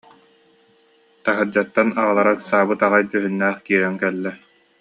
Таһырдьаттан аҕалара ыксаабыт аҕай дьүһүннээх киирэн кэллэ: